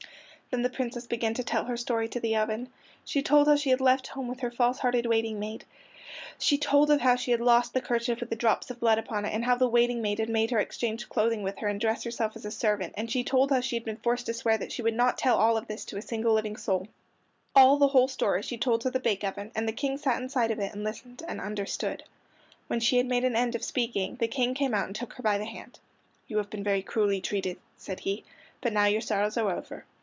Then the Princess began to tell her story to the oven. She told how she had left home with her false hearted waiting maid. She told of how she had lost the kerchief with the drops of blood upon it, and how the waiting maid had made her exchange clothing with her and dress herself as a servant; and she told how she had been forced to swear that she would not tell all this to a living soul. All, the whole story, she told to the bake oven, and the King sat inside of it and listened and understood. When she had made an end of speaking the King came out and took her by the hand. "You have been very cruelly treated," said he, "but now your sorrows are over."